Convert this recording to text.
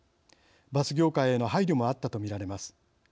バス業界への配慮もあったと見られます。